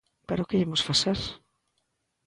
Pero ¿que lle imos facer?